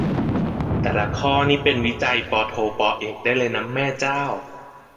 แต่ละข้อนี่เป็นวิจัยปโท ปเอกได้เลยนะ แม่เจ้า